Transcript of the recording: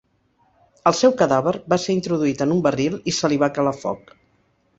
El seu cadàver va ser introduït en un barril i se li va calar foc.